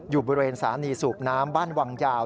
อยู่บริเวณสถานีสูบน้ำบ้านวังยาว